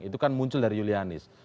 itu kan muncul dari julianis